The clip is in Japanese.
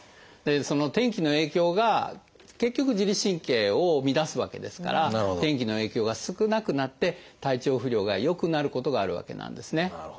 その天気の影響が結局自律神経を乱すわけですから天気の影響が少なくなって体調不良が良くなることがあるわけなんですね。